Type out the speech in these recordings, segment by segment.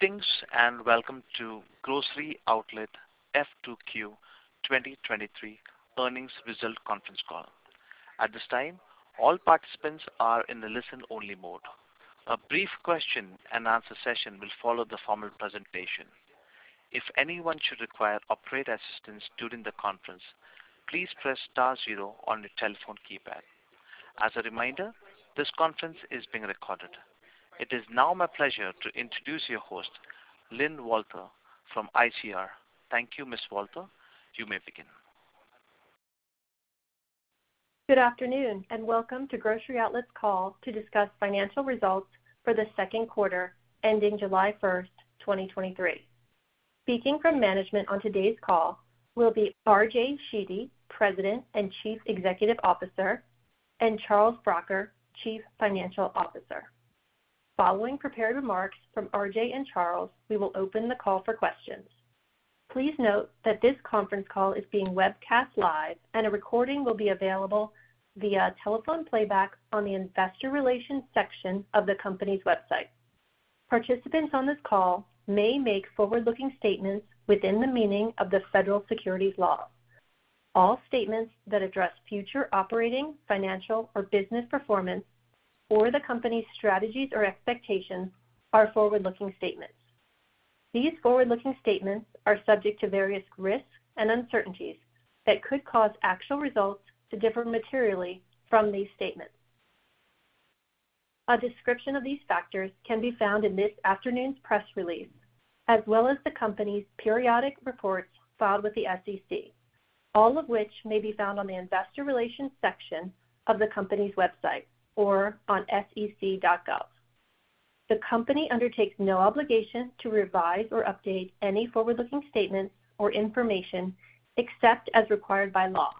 Greetings, welcome to Grocery Outlet FQ2 2023 earnings result conference call. At this time, all participants are in the listen-only mode. A brief question and answer session will follow the formal presentation. If anyone should require operator assistance during the conference, please press star 0 on your telephone keypad. As a reminder, this conference is being recorded. It is now my pleasure to introduce your host, Lyn Walther, from ICR. Thank you, Ms. Walther. You may begin. Good afternoon, welcome to Grocery Outlet's call to discuss financial results for the Q2, ending July first, 2023. Speaking from management on today's call will be RJ Sheedy, President and Chief Executive Officer, and Charles Bracher, Chief Financial Officer. Following prepared remarks from RJ and Charles, we will open the call for questions. Please note that this conference call is being webcast live, and a recording will be available via telephone playback on the investor relations section of the company's website. Participants on this call may make forward-looking statements within the meaning of the federal securities law. All statements that address future operating, financial, or business performance, or the company's strategies or expectations are forward-looking statements. These forward-looking statements are subject to various risks and uncertainties that could cause actual results to differ materially from these statements. A description of these factors can be found in this afternoon's press release, as well as the company's periodic reports filed with the SEC, all of which may be found on the investor relations section of the company's website or on sec.gov. The company undertakes no obligation to revise or update any forward-looking statements or information, except as required by law.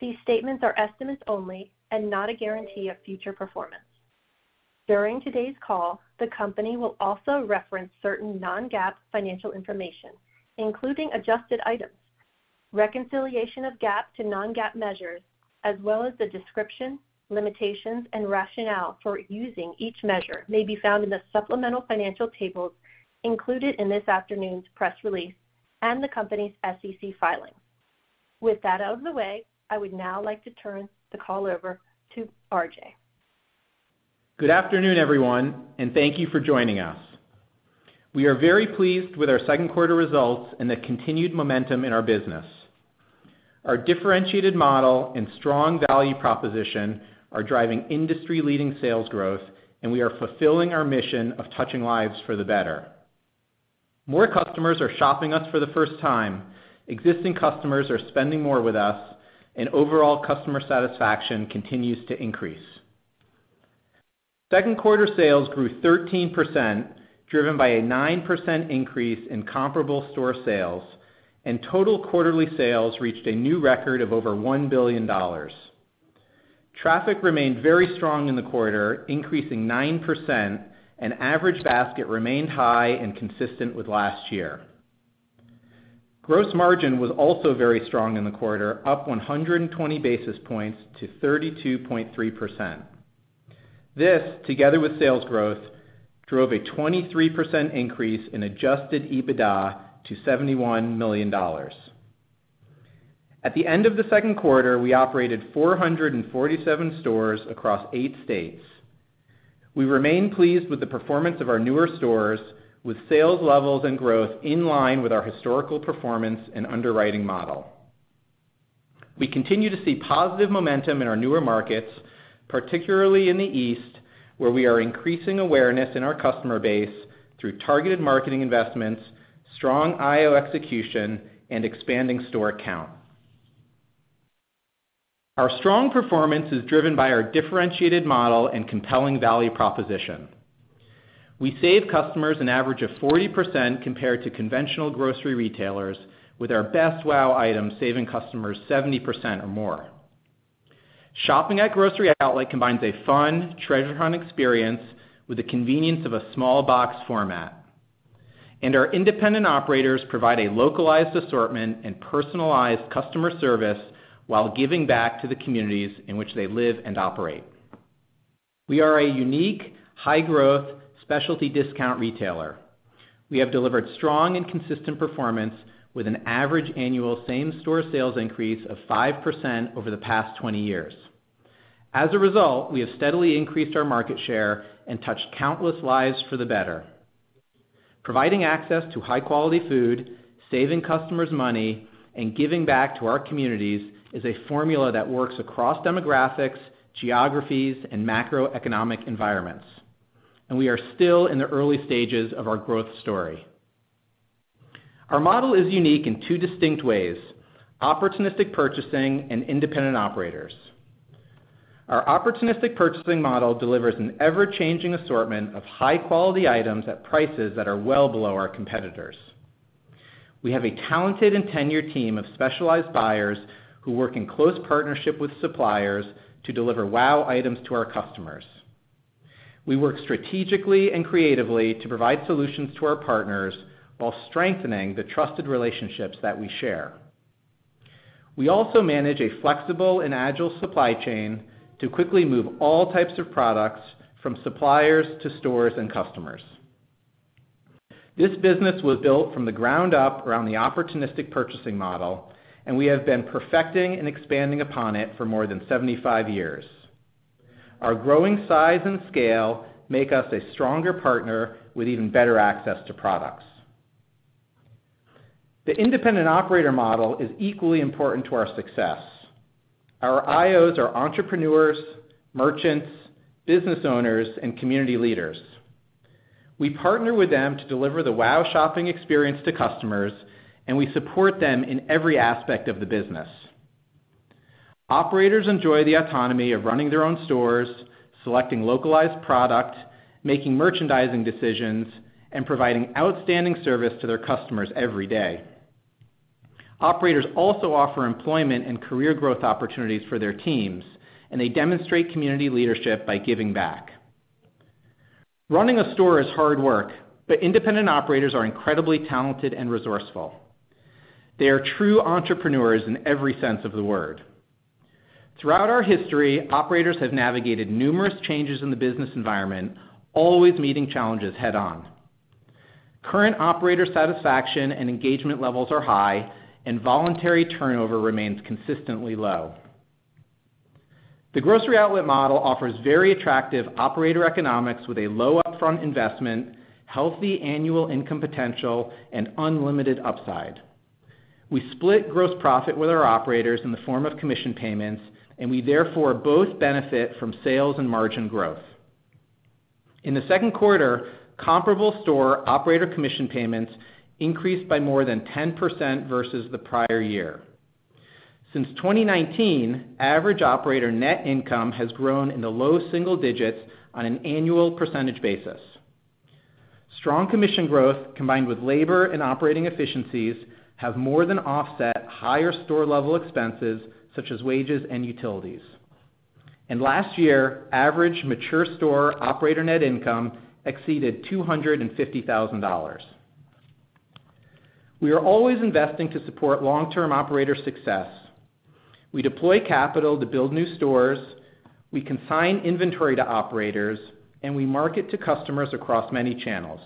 These statements are estimates only and not a guarantee of future performance. During today's call, the company will also reference certain non-GAAP financial information, including adjusted items. Reconciliation of GAAP to non-GAAP measures, as well as the description, limitations, and rationale for using each measure may be found in the supplemental financial tables included in this afternoon's press release and the company's SEC filing. With that out of the way, I would now like to turn the call over to RJ. Good afternoon, everyone. Thank you for joining us. We are very pleased with our Q2 results and the continued momentum in our business. Our differentiated model and strong value proposition are driving industry-leading sales growth. We are fulfilling our mission of touching lives for the better. More customers are shopping us for the first time, existing customers are spending more with us. Overall customer satisfaction continues to increase. Q2 sales grew 13%, driven by a 9% increase in comparable store sales. Total quarterly sales reached a new record of over $1 billion. Traffic remained very strong in the quarter, increasing 9%. Average basket remained high and consistent with last year. Gross margin was also very strong in the quarter, up 120 basis points to 32.3%. This, together with sales growth, drove a 23% increase in Adjusted EBITDA to $71 million. At the end of the Q2, we operated 447 stores across 8 states. We remain pleased with the performance of our newer stores, with sales levels and growth in line with our historical performance and underwriting model. We continue to see positive momentum in our newer markets, particularly in the East, where we are increasing awareness in our customer base through targeted marketing investments, strong IO execution, and expanding store count. Our strong performance is driven by our differentiated model and compelling value proposition. We save customers an average of 40% compared to conventional grocery retailers, with our best WOW! items saving customers 70% or more. Shopping at Grocery Outlet combines a fun, treasure hunt experience with the convenience of a small box format, and our independent operators provide a localized assortment and personalized customer service while giving back to the communities in which they live and operate. We are a unique, high-growth, specialty discount retailer. We have delivered strong and consistent performance with an average annual same-store sales increase of 5% over the past 20 years. As a result, we have steadily increased our market share and touched countless lives for the better. Providing access to high-quality food, saving customers money, and giving back to our communities is a formula that works across demographics, geographies, and macroeconomic environments, and we are still in the early stages of our growth story. Our model is unique in two distinct ways: opportunistic purchasing and independent operators. Our opportunistic purchasing model delivers an ever-changing assortment of high-quality items at prices that are well below our competitors. We have a talented and tenured team of specialized buyers who work in close partnership with suppliers to deliver WOW! items to our customers. We work strategically and creatively to provide solutions to our partners while strengthening the trusted relationships that we share. We also manage a flexible and agile supply chain to quickly move all types of products from suppliers to stores and customers. This business was built from the ground up around the opportunistic purchasing model, and we have been perfecting and expanding upon it for more than 75 years. Our growing size and scale make us a stronger partner with even better access to products. The Independent Operator model is equally important to our success. Our IOs are entrepreneurs, merchants, business owners, and community leaders. We partner with them to deliver the wow shopping experience to customers, and we support them in every aspect of the business. Operators enjoy the autonomy of running their own stores, selecting localized product, making merchandising decisions, and providing outstanding service to their customers every day. Operators also offer employment and career growth opportunities for their teams, and they demonstrate community leadership by giving back. Running a store is hard work, but independent operators are incredibly talented and resourceful. They are true entrepreneurs in every sense of the word. Throughout our history, operators have navigated numerous changes in the business environment, always meeting challenges head-on. Current operator satisfaction and engagement levels are high, and voluntary turnover remains consistently low. The Grocery Outlet model offers very attractive operator economics with a low upfront investment, healthy annual income potential, and unlimited upside. We split gross profit with our operators in the form of commission payments, we therefore both benefit from sales and margin growth. In the Q2, comparable store operator commission payments increased by more than 10% versus the prior year. Since 2019, average operator net income has grown in the low single digits on an annual % basis. Strong commission growth, combined with labor and operating efficiencies, have more than offset higher store-level expenses, such as wages and utilities. Last year, average mature store operator net income exceeded $250,000. We are always investing to support long-term operator success. We deploy capital to build new stores, we consign inventory to operators, and we market to customers across many channels.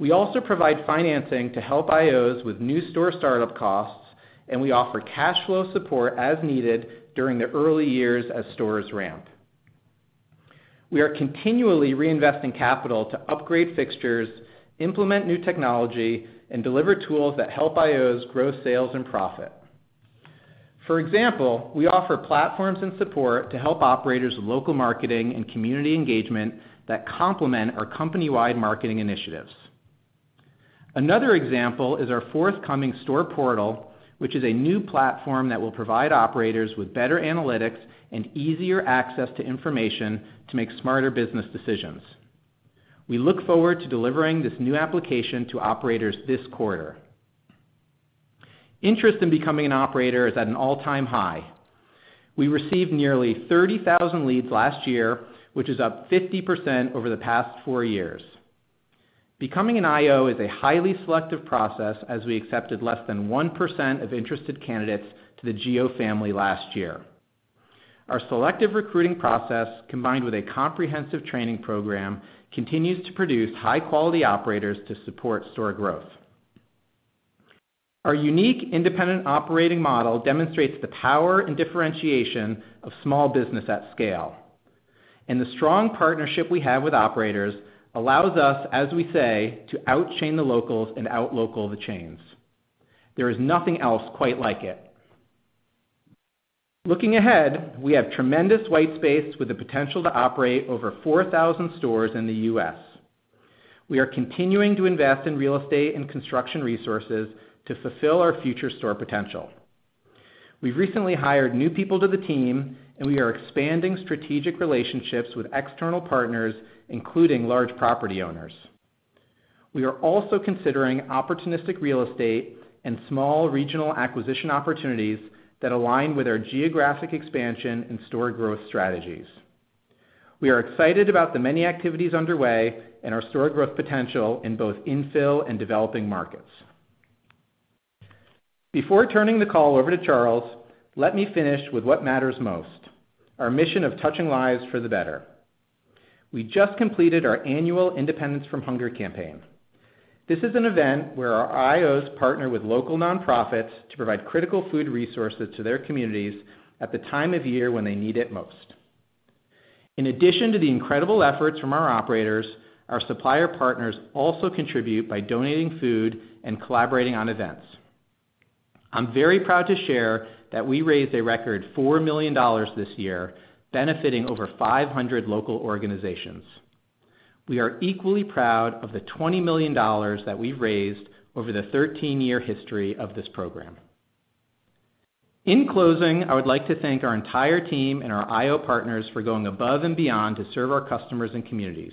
We also provide financing to help IOs with new store startup costs, and we offer cash flow support as needed during the early years as stores ramp. We are continually reinvesting capital to upgrade fixtures, implement new technology, and deliver tools that help IOs grow sales and profit. For example, we offer platforms and support to help operators with local marketing and community engagement that complement our company-wide marketing initiatives. Another example is our forthcoming store portal, which is a new platform that will provide operators with better analytics and easier access to information to make smarter business decisions. We look forward to delivering this new application to operators this quarter. Interest in becoming an operator is at an all-time high. We received nearly 30,000 leads last year, which is up 50% over the past four years. Becoming an IO is a highly selective process, as we accepted less than 1% of interested candidates to the GO family last year. Our selective recruiting process, combined with a comprehensive training program, continues to produce high-quality operators to support store growth. Our unique independent operating model demonstrates the power and differentiation of small business at scale, and the strong partnership we have with operators allows us, as we say, to out-chain the locals and out-local the chains. There is nothing else quite like it. Looking ahead, we have tremendous white space with the potential to operate over 4,000 stores in the US. We are continuing to invest in real estate and construction resources to fulfill our future store potential. We've recently hired new people to the team, and we are expanding strategic relationships with external partners, including large property owners. We are also considering opportunistic real estate and small regional acquisition opportunities that align with our geographic expansion and store growth strategies. We are excited about the many activities underway and our store growth potential in both infill and developing markets. Before turning the call over to Charles, let me finish with what matters most, our mission of touching lives for the better. We just completed our annual Independence From Hunger campaign. This is an event where our IOs partner with local nonprofits to provide critical food resources to their communities at the time of year when they need it most. In addition to the incredible efforts from our operators, our supplier partners also contribute by donating food and collaborating on events. I'm very proud to share that we raised a record $4 million this year, benefiting over 500 local organizations. We are equally proud of the $20 million that we've raised over the 13-year history of this program. In closing, I would like to thank our entire team and our IO partners for going above and beyond to serve our customers and communities.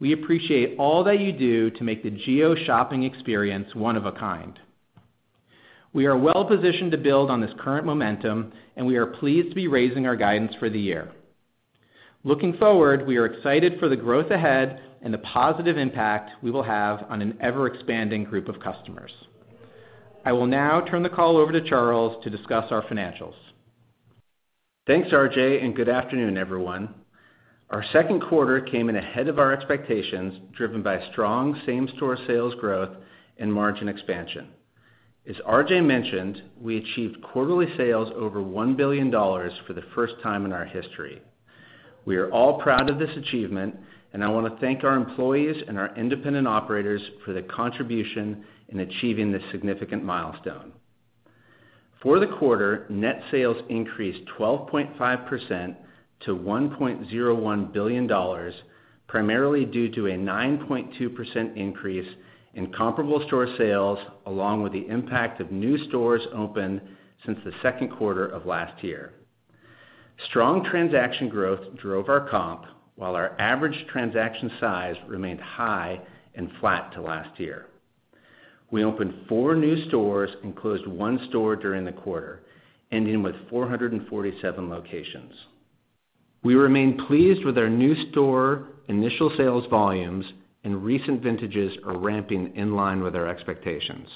We appreciate all that you do to make the GO shopping experience one of a kind. We are well-positioned to build on this current momentum, and we are pleased to be raising our guidance for the year. Looking forward, we are excited for the growth ahead and the positive impact we will have on an ever-expanding group of customers. I will now turn the call over to Charles to discuss our financials. Thanks, RJ. Good afternoon, everyone. Our Q2 came in ahead of our expectations, driven by strong same-store sales growth and margin expansion. As RJ mentioned, we achieved quarterly sales over $1 billion for the first time in our history. We are all proud of this achievement, and I want to thank our employees and our Independent Operators for their contribution in achieving this significant milestone. For the quarter, net sales increased 12.5% - $1.01 billion, primarily due to a 9.2% increase in comparable store sales, along with the impact of new stores opened since the Q2 of last year. Strong transaction growth drove our comp, while our average transaction size remained high and flat to last year. We opened four new stores and closed one store during the quarter, ending with 447 locations. We remain pleased with our new store initial sales volumes. Recent vintages are ramping in line with our expectations.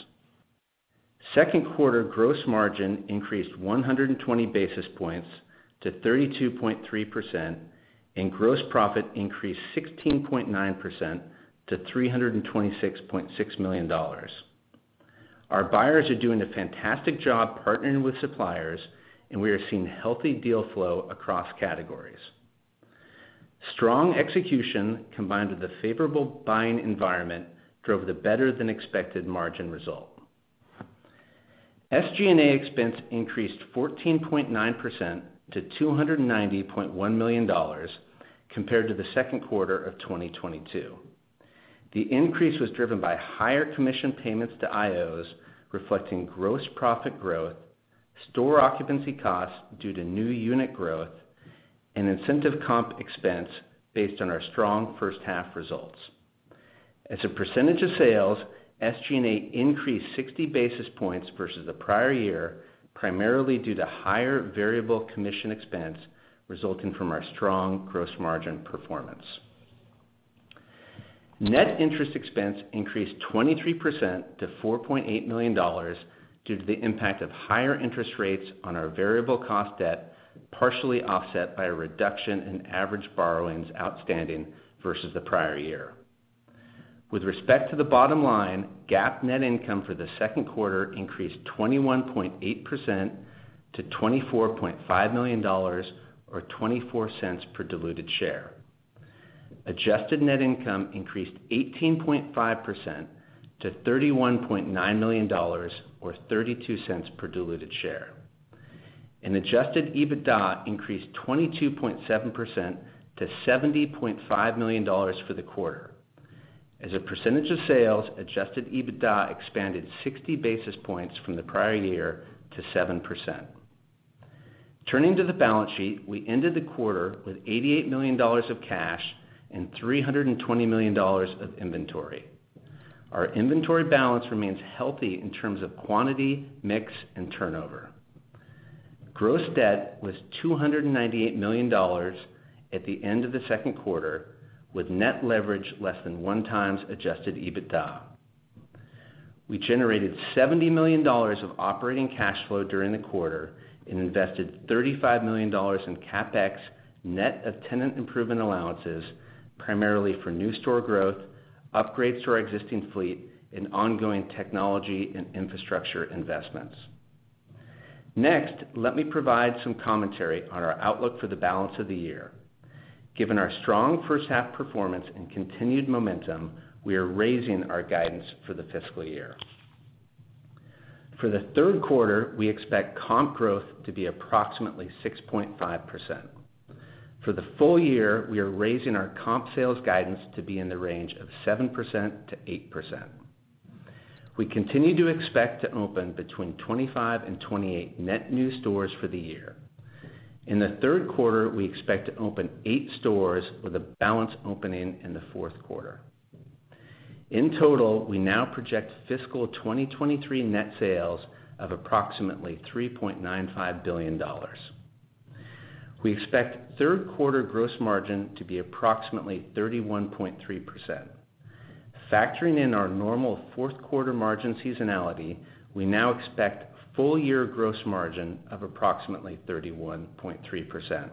Q2 gross margin increased 120 basis points to 32.3%. Gross profit increased 16.9% - $326.6 million. Our buyers are doing a fantastic job partnering with suppliers. We are seeing healthy deal flow across categories. Strong execution, combined with a favorable buying environment, drove the better-than-expected margin result. SG&A expense increased 14.9% - $290.1 million compared to the Q2 of 2022. The increase was driven by higher commission payments to IOs, reflecting gross profit growth, store occupancy costs due to new unit growth, and incentive comp expense based on our strong first half results. As a percentage of sales, SG&A increased 60 basis points versus the prior year, primarily due to higher variable commission expense resulting from our strong gross margin performance. Net interest expense increased 23% - $4.8 million due to the impact of higher interest rates on our variable cost debt, partially offset by a reduction in average borrowings outstanding versus the prior year. With respect to the bottom line, GAAP net income for the Q2 increased 21.8% - $24.5 million or $0.24 per diluted share. Adjusted Net income increased 18.5% - $31.9 million, or $0.32 per diluted share. Adjusted EBITDA increased 22.7% - $70.5 million for the quarter. As a percentage of sales, Adjusted EBITDA expanded 60 basis points from the prior year to 7%. Turning to the balance sheet, we ended the quarter with $88 million of cash and $320 million of inventory. Our inventory balance remains healthy in terms of quantity, mix, and turnover. Gross debt was $298 million at the end of the Q2, with net leverage less than 1 times Adjusted EBITDA. We generated $70 million of operating cash flow during the quarter and invested $35 million in Capex, net of tenant improvement allowances, primarily for new store growth, upgrades to our existing fleet, and ongoing technology and infrastructure investments. Next, let me provide some commentary on our outlook for the balance of the year. Given our strong first half performance and continued momentum, we are raising our guidance for the fiscal year. For the Q3, we expect comp growth to be approximately 6.5%. For the full year, we are raising our comp sales guidance to be in the range of 7%-8%. We continue to expect to open between 25 and 28 net new stores for the year. In the Q3, we expect to open eight stores, with the balance opening in the Q4. In total, we now project fiscal 2023 net sales of approximately $3.95 billion. We expect Q3 gross margin to be approximately 31.3%. Factoring in our normal Q4 margin seasonality, we now expect full year gross margin of approximately 31.3%.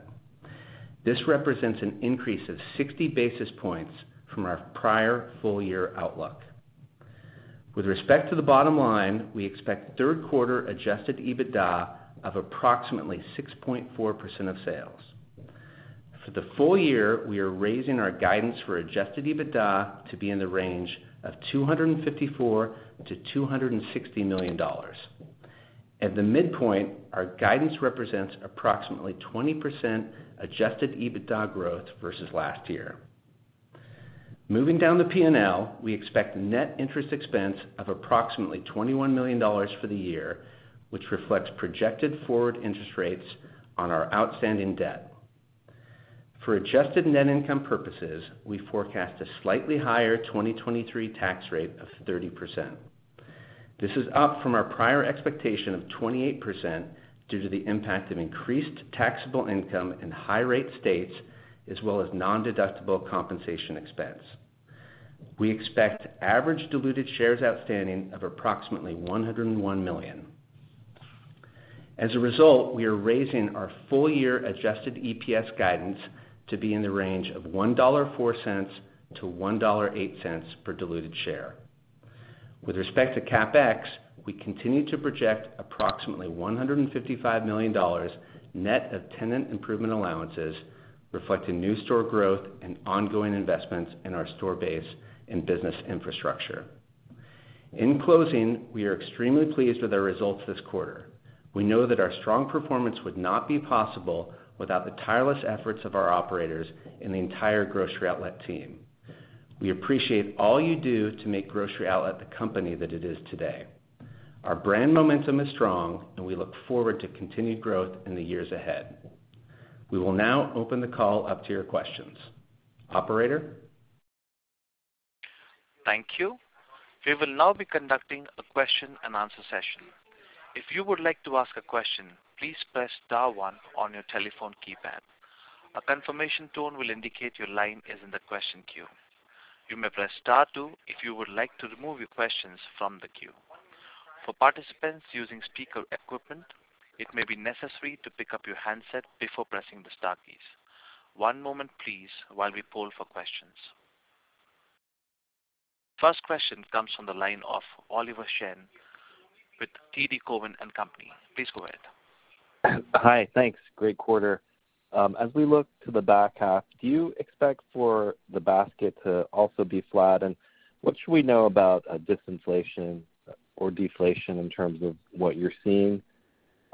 This represents an increase of 60 basis points from our prior full year outlook. With respect to the bottom line, we expect Q3 Adjusted EBITDA of approximately 6.4% of sales. For the full year, we are raising our guidance for Adjusted EBITDA to be in the range of $254 million-$260 million. At the midpoint, our guidance represents approximately 20% Adjusted EBITDA growth versus last year. Moving down the P&L, we expect net interest expense of approximately $21 million for the year, which reflects projected forward interest rates on our outstanding debt. For Adjusted Net income purposes, we forecast a slightly higher 2023 tax rate of 30%. This is up from our prior expectation of 28% due to the impact of increased taxable income in high rate states, as well as nondeductible compensation expense. We expect average diluted shares outstanding of approximately 101 million. As a result, we are raising our full-year adjusted EPS guidance to be in the range of $1.04-$1.08 per diluted share. With respect to Capex, we continue to project approximately $155 million net of tenant improvement allowances, reflecting new store growth and ongoing investments in our store base and business infrastructure. In closing, we are extremely pleased with our results this quarter. We know that our strong performance would not be possible without the tireless efforts of our operators and the entire Grocery Outlet team. We appreciate all you do to make Grocery Outlet the company that it is today. Our brand momentum is strong, and we look forward to continued growth in the years ahead. We will now open the call up to your questions. Operator? Thank you. We will now be conducting a question and answer session. If you would like to ask a question, please press star one on your telephone keypad. A confirmation tone will indicate your line is in the question queue. You may press star two, if you would like to remove your questions from the queue. For participants using speaker equipment, it may be necessary to pick up your handset before pressing the star keys. One moment, please, while we poll for questions. First question comes from the line of Oliver Chen with TD Cowen. Please go ahead. Hi, thanks. Great quarter. As we look to the back half, do you expect for the basket to also be flat? What should we know about disinflation or deflation in terms of what you're seeing?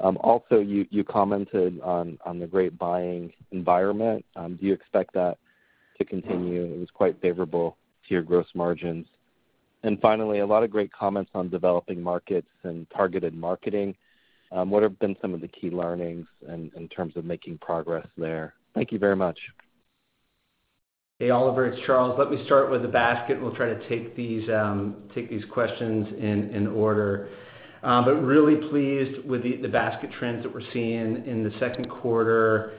Also, you, you commented on, on the great buying environment. Do you expect that to continue? It was quite favorable to your gross margins. Finally, a lot of great comments on developing markets and targeted marketing. What have been some of the key learnings in, in terms of making progress there? Thank you very much. Hey, Oliver, it's Charles. Let me start with the basket. We'll try to take these, take these questions in, in order. Really pleased with the, the basket trends that we're seeing in the Q2.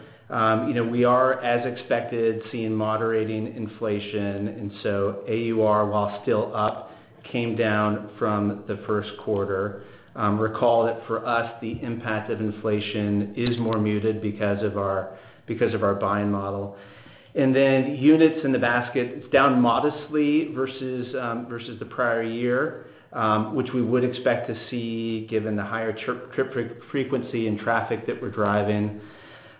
You know, we are, as expected, seeing moderating inflation, so AUR, while still up, came down from the Q1. Recall that for us, the impact of inflation is more muted because of our, because of our buying model. Then units in the basket, it's down modestly versus, versus the prior year, which we would expect to see given the higher trip, trip frequency and traffic that we're driving.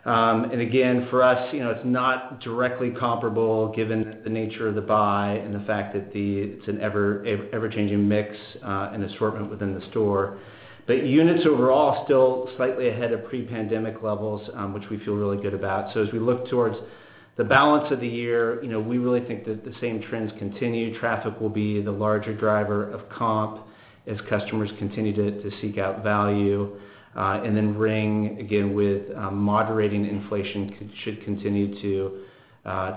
Again, for us, you know, it's not directly comparable, given the nature of the buy and the fact that it's an ever, ever-changing mix, and assortment within the store. Units overall, still slightly ahead of pre-pandemic levels, which we feel really good about. As we look towards the balance of the year, you know, we really think that the same trends continue. Traffic will be the larger driver of comp as customers continue to, to seek out value, and then ring, again, with moderating inflation should continue to,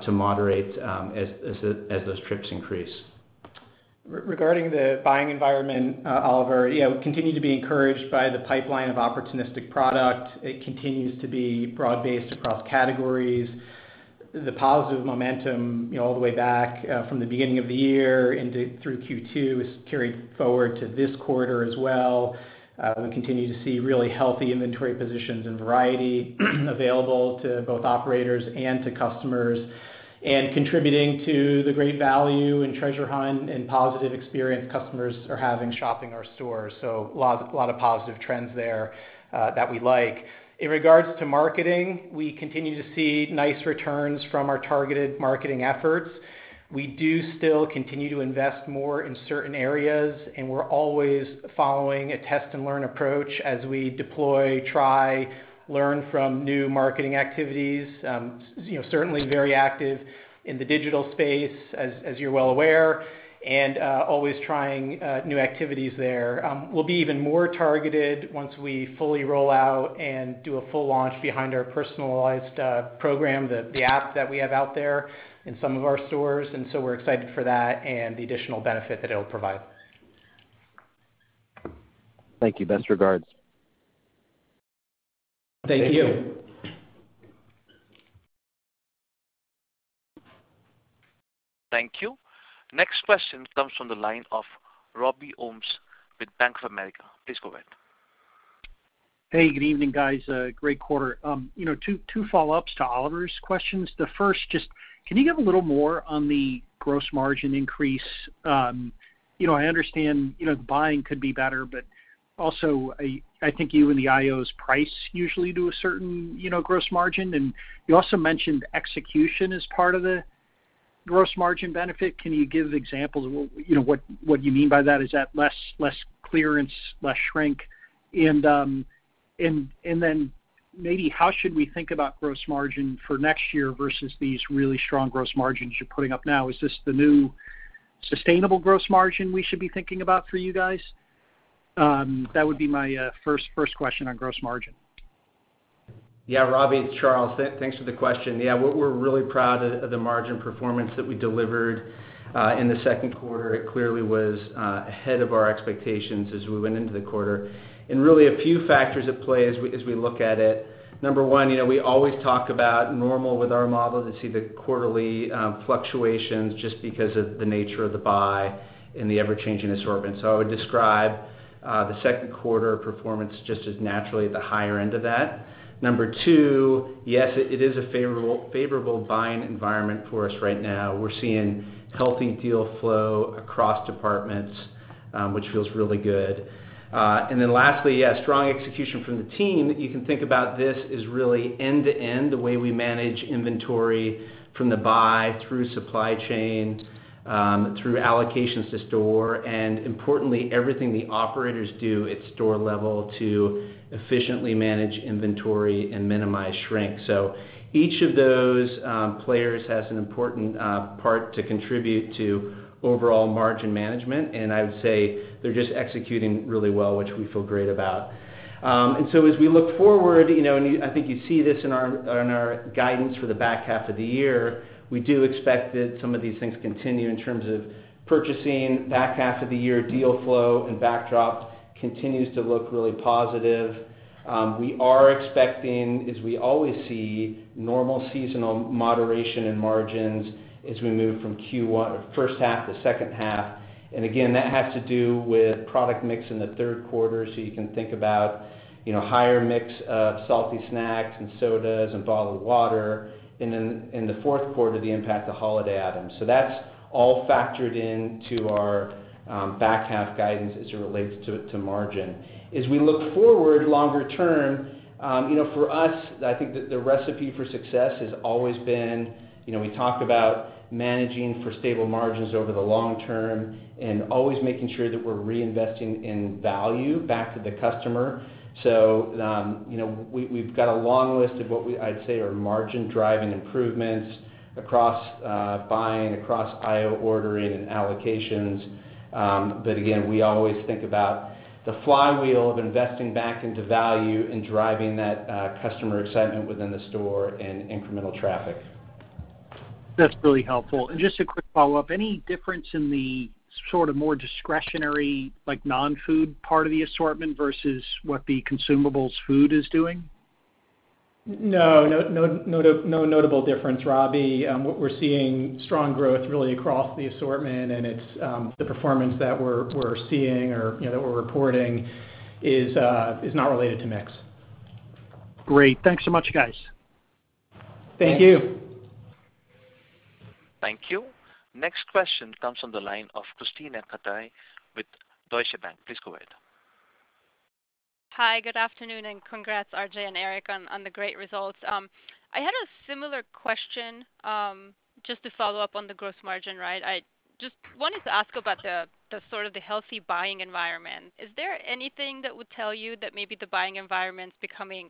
to moderate, as, as, as those trips increase. Regarding the buying environment, Oliver, yeah, we continue to be encouraged by the pipeline of opportunistic product. It continues to be broad-based across categories. The positive momentum, you know, all the way back, from the beginning of the year into through Q2, is carried forward to this quarter as well. We continue to see really healthy inventory positions and variety available to both operators and to customers, and contributing to the great value in Treasure Hunt and positive experience customers are having shopping our stores. A lot, a lot of positive trends there, that we like. In regards to marketing, we continue to see nice returns from our targeted marketing efforts. We do still continue to invest more in certain areas, and we're always following a test and learn approach as we deploy, try, learn from new marketing activities. You know, certainly very active in the digital space, as, as you're well aware, and always trying new activities there. We'll be even more targeted once we fully roll out and do a full launch behind our personalized program, the app that we have out there in some of our stores, and so we're excited for that and the additional benefit that it'll provide. Thank you. Best regards. Thank you. Thank you. Thank you. Next question comes from the line of Robby Ohmes with Bank of America. Please go ahead. Hey, good evening, guys. Great quarter. You know, two, two follow-ups to Oliver's questions. The first, just, can you give a little more on the gross margin increase? You know, I understand, you know, the buying could be better, but also, I, I think you and the IOs price usually do a certain, you know, gross margin. You also mentioned execution as part of the gross margin benefit. Can you give examples of what, you know, what, what you mean by that? Is that less, less clearance, less shrink? Then maybe how should we think about gross margin for next year versus these really strong gross margins you're putting up now? Is this the new sustainable gross margin we should be thinking about for you guys? That would be my, first, first question on gross margin. Yeah, Robby, it's Charles. Thanks for the question. Yeah, we're really proud of the margin performance that we delivered in the Q2. It clearly was ahead of our expectations as we went into the quarter. Really a few factors at play as we look at it. Number one, you know, we always talk about normal with our model to see the quarterly fluctuations just because of the nature of the buy and the ever-changing assortment. I would describe the Q2 performance just as naturally at the higher end of that. Number two, yes, it is a favorable buying environment for us right now. We're seeing healthy deal flow across departments, which feels really good. Lastly, yeah, strong execution from the team. You can think about this as really end-to-end, the way we manage inventory from the buy through supply chain, through allocations to store, and importantly, everything the operators do at store level to efficiently manage inventory and minimize shrink. Each of those players has an important part to contribute to overall margin management, and I would say they're just executing really well, which we feel great about. As we look forward, you know, and I think you see this in our, in our guidance for the back half of the year, we do expect that some of these things continue in terms of purchasing. Back half of the year, deal flow and backdrop continues to look really positive. We are expecting, as we always see, normal seasonal moderation in margins as we move from Q1-- first half to second half. Again, that has to do with product mix in the Q3. You can think about, you know, higher mix of salty snacks and sodas and bottled water, and then in the Q4, the impact of holiday items. That's all factored into our back half guidance as it relates to margin. As we look forward longer term, you know, for us, I think that the recipe for success has always been, you know, we talk about managing for stable margins over the long term and always making sure that we're reinvesting in value back to the customer. You know, we, we've got a long list of what we, I'd say, are margin-driving improvements across buying, across IO ordering and allocations. Again, we always think about the flywheel of investing back into value and driving that, customer excitement within the store and incremental traffic. That's really helpful. Just a quick follow-up, any difference in the sort of more discretionary, like, non-food part of the assortment versus what the consumables food is doing? No, no, no, no notable difference, Robbie. what we're seeing strong growth really across the assortment, and it's, the performance that we're, we're seeing or, you know, that we're reporting is, is not related to mix. Great. Thanks so much, guys. Thank you. Thank you. Next question comes from the line of Krisztina Katai with Deutsche Bank. Please go ahead. Hi, good afternoon, and congrats, RJ and Eric, on, on the great results. I had a similar question, just to follow up on the gross margin, right? I just wanted to ask about the, the sort of the healthy buying environment. Is there anything that would tell you that maybe the buying environment's becoming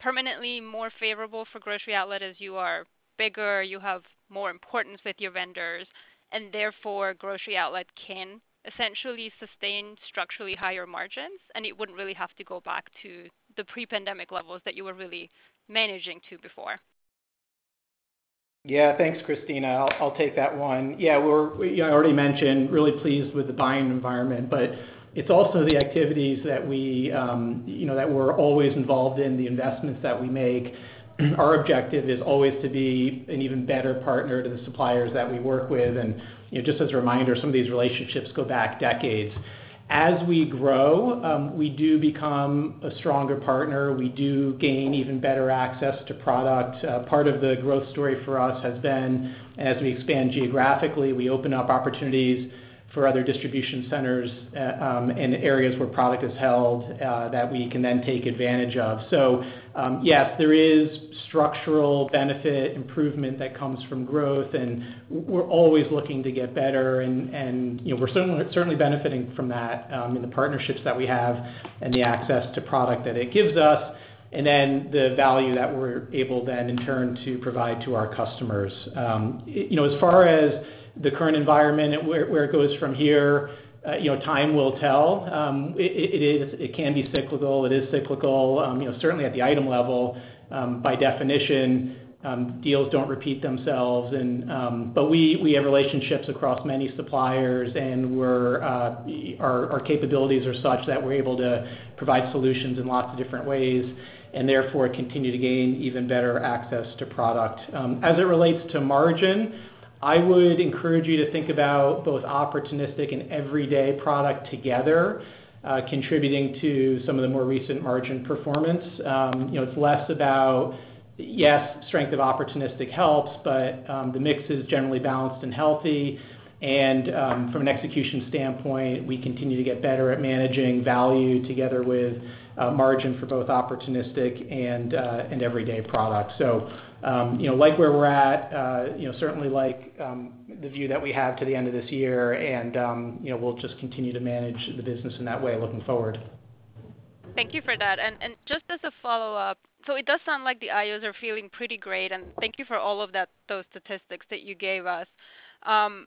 permanently more favorable for Grocery Outlet as you are bigger, you have more importance with your vendors, and therefore, Grocery Outlet can essentially sustain structurally higher margins, and it wouldn't really have to go back to the pre-pandemic levels that you were really managing to before? Yeah. Thanks, Krisztina. I'll take that one. Yeah, we're, you know, I already mentioned, really pleased with the buying environment, but it's also the activities that we, you know, that we're always involved in, the investments that we make. Our objective is always to be an even better partner to the suppliers that we work with. You know, just as a reminder, some of these relationships go back decades. As we grow, we do become a stronger partner. We do gain even better access to product. Part of the growth story for us has been, as we expand geographically, we open up opportunities for other distribution centers, in areas where product is held, that we can then take advantage of. Yes, there is structural benefit improvement that comes from growth, and we're always looking to get better and, you know, we're certainly, certainly benefiting from that, in the partnerships that we have and the access to product that it gives us, and then the value that we're able then in turn to provide to our customers. You know, as far as the current environment, where, where it goes from here, you know, time will tell. It is cyclical. It is cyclical. You know, certainly at the item level, by definition, deals don't repeat themselves. We have relationships across many suppliers, and we're, our capabilities are such that we're able to provide solutions in lots of different ways and therefore continue to gain even better access to product. As it relates to margin, I would encourage you to think about both opportunistic and everyday product together, contributing to some of the more recent margin performance. You know, it's less about, yes, strength of opportunistic helps, but the mix is generally balanced and healthy. From an execution standpoint, we continue to get better at managing value together with margin for both opportunistic and everyday products. You know, like where we're at, you know, certainly like the view that we have to the end of this year and, you know, we'll just continue to manage the business in that way looking forward. ...Thank you for that. Just as a follow-up, it does sound like the IOs are feeling pretty great, and thank you for all of that, those statistics that you gave us. How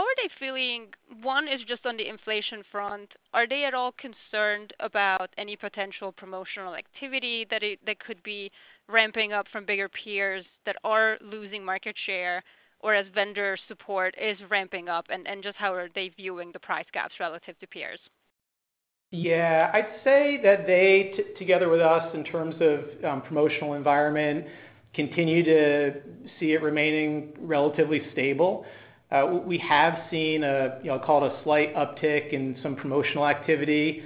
are they feeling? One is just on the inflation front. Are they at all concerned about any potential promotional activity that that could be ramping up from bigger peers that are losing market share, or as vendor support is ramping up? Just how are they viewing the price gaps relative to peers? Yeah, I'd say that they, together with us, in terms of promotional environment, continue to see it remaining relatively stable. We have seen a, you know, call it a slight uptick in some promotional activity,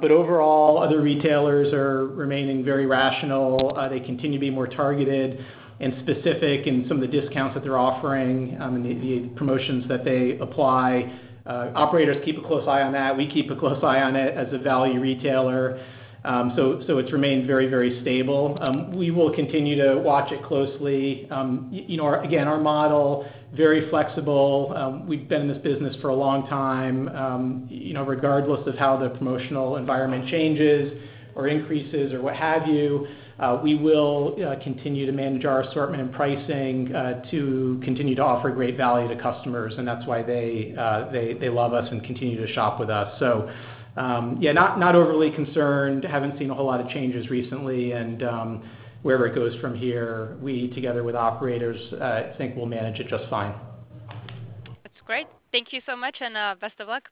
but overall, other retailers are remaining very rational. They continue to be more targeted and specific in some of the discounts that they're offering, and the promotions that they apply. Operators keep a close eye on that. We keep a close eye on it as a value retailer. It's remained very, very stable. We will continue to watch it closely. You know, again, our model, very flexible. We've been in this business for a long time. you know, regardless of how the promotional environment changes or increases or what have you, we will continue to manage our assortment and pricing to continue to offer great value to customers, and that's why they, they, they love us and continue to shop with us. Yeah, not, not overly concerned. Haven't seen a whole lot of changes recently, and wherever it goes from here, we, together with operators, I think we'll manage it just fine. That's great. Thank you so much, and, best of luck.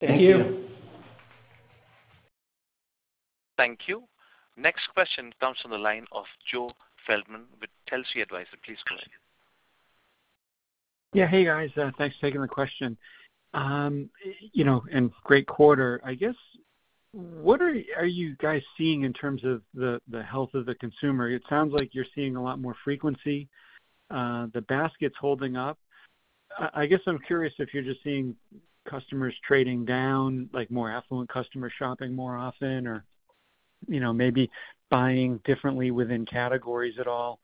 Thank you. Thank you. Next question comes from the line of Joe Feldman with Telsey Advisory. Please go ahead. Yeah. Hey, guys, thanks for taking the question. You know, great quarter. I guess, what are, are you guys seeing in terms of the, the health of the consumer? It sounds like you're seeing a lot more frequency, the basket's holding up. I, I guess I'm curious if you're just seeing customers trading down, like more affluent customers shopping more often, or, you know, maybe buying differently within categories at all.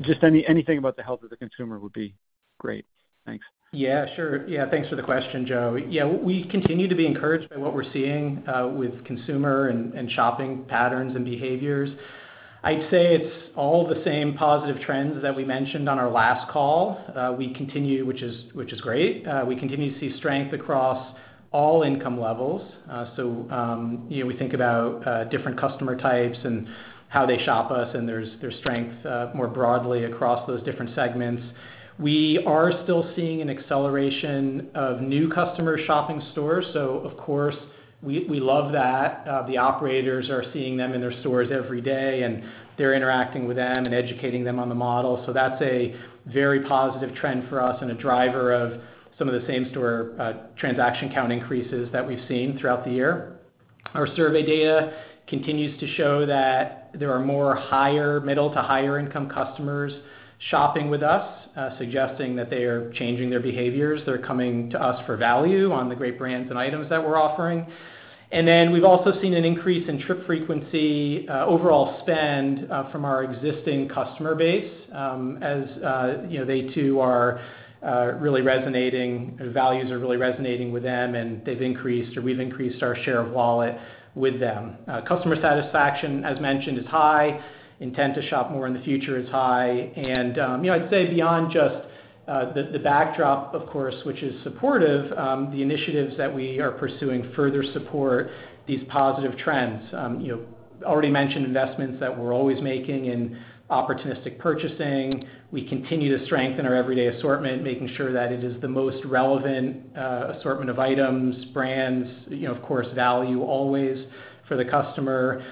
Just anything about the health of the consumer would be great. Thanks. Sure. Yeah, thanks for the question, Joe. We continue to be encouraged by what we're seeing with consumer and shopping patterns and behaviors. I'd say it's all the same positive trends that we mentioned on our last call. We continue, which is, which is great. We continue to see strength across all income levels. You know, we think about different customer types and how they shop us, and there's strength more broadly across those different segments. We are still seeing an acceleration of new customer shopping stores, so of course, we, we love that. The operators are seeing them in their stores every day, and they're interacting with them and educating them on the model. That's a very positive trend for us and a driver of some of the same store, transaction count increases that we've seen throughout the year. Our survey data continues to show that there are more higher, middle to higher income customers shopping with us, suggesting that they are changing their behaviors. They're coming to us for value on the great brands and items that we're offering. Then we've also seen an increase in trip frequency, overall spend, from our existing customer base, as, you know, they too are really resonating... values are really resonating with them, and they've increased, or we've increased our share of wallet with them. Customer satisfaction, as mentioned, is high. Intent to shop more in the future is high. You know, I'd say beyond just the backdrop, of course, which is supportive, the initiatives that we are pursuing further support these positive trends. You know, already mentioned investments that we're always making in opportunistic purchasing. We continue to strengthen our everyday assortment, making sure that it is the most relevant assortment of items, brands, you know, of course, value always for the customer.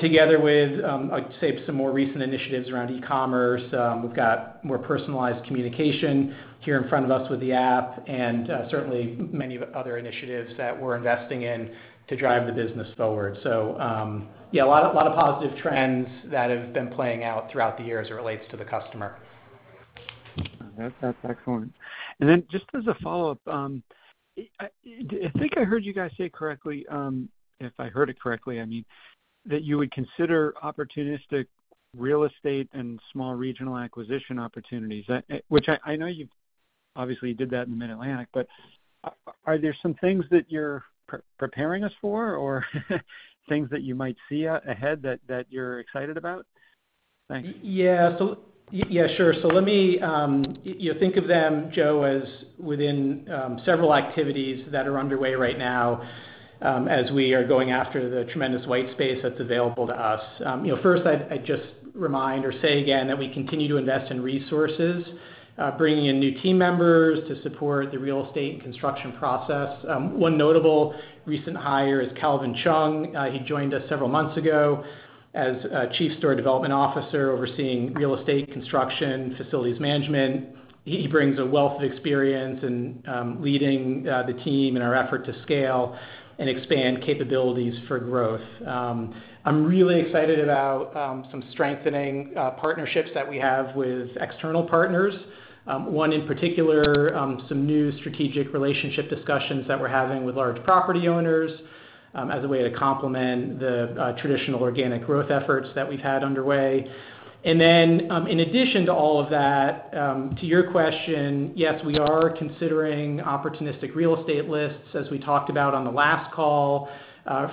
Together with, I'd say some more recent initiatives around e-commerce, we've got more personalized communication here in front of us with the app and certainly many other initiatives that we're investing in to drive the business forward. Yeah, a lot, a lot of positive trends that have been playing out throughout the year as it relates to the customer. That's, that's excellent. Then just as a follow-up, I think I heard you guys say correctly, if I heard it correctly, I mean, that you would consider opportunistic real estate and small regional acquisition opportunities. I know you obviously did that in Mid-Atlantic, but are there some things that you're preparing us for, or things that you might see out ahead that, that you're excited about? Yeah, so, yeah, sure. Let me, you know, think of them, Joe, as within several activities that are underway right now, as we are going after the tremendous white space that's available to us. You know, first, I'd, I'd just remind or say again, that we continue to invest in resources, bringing in new team members to support the real estate and construction process. One notable recent hire is Calvin Chung. He joined us several months ago as a Chief Store Development Officer, overseeing real estate, construction, facilities management. He brings a wealth of experience in leading the team in our effort to scale and expand capabilities for growth. I'm really excited about some strengthening partnerships that we have with external partners. One in particular, some new strategic relationship discussions that we're having with large property owners, as a way to complement the traditional organic growth efforts that we've had underway. In addition to all of that, to your question, yes, we are considering opportunistic real estate lists, as we talked about on the last call,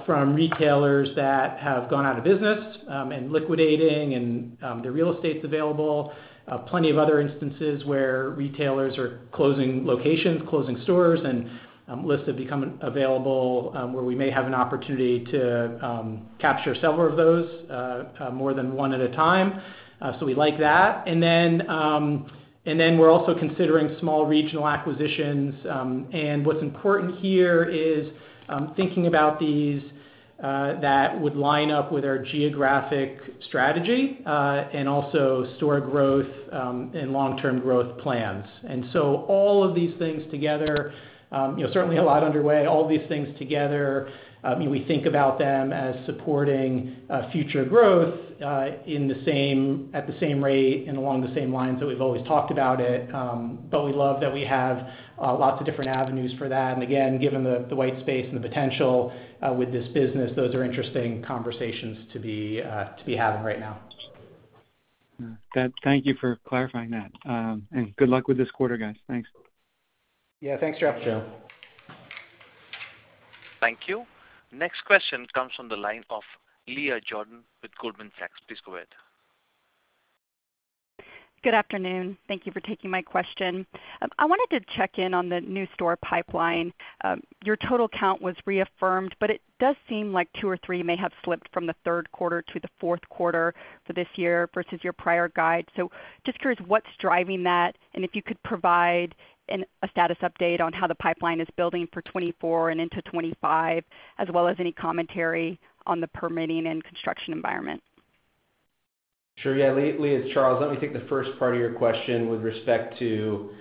from retailers that have gone out of business, and liquidating and their real estate's available. Plenty of other instances where retailers are closing locations, closing stores, and lists have become available, where we may have an opportunity to capture several of those, more than one at a time. So we like that. Then we're also considering small regional acquisitions. What's important here is, thinking about these, that would line up with our geographic strategy, and also store growth, and long-term growth plans. So all of these things together, you know, certainly a lot underway. All of these things together, we think about them as supporting, future growth, in the same-- at the same rate and along the same lines that we've always talked about it. But we love that we have, lots of different avenues for that. Again, given the, the white space and the potential, with this business, those are interesting conversations to be, to be having right now. Thank you for clarifying that. Good luck with this quarter, guys. Thanks. Yeah. Thanks, Joe. Thank you. Next question comes from the line of Leah Jordan with Goldman Sachs. Please go ahead. Good afternoon. Thank you for taking my question. I wanted to check in on the new store pipeline. Your total count was reaffirmed, but it does seem like 2 or 3 may have slipped from the Q3 to the Q4 for this year versus your prior guide. Just curious what's driving that, and if you could provide a status update on how the pipeline is building for 2024 and into 2025, as well as any commentary on the permitting and construction environment. Sure. Yeah, Leah, it's Charles, let me take the first part of your question with respect to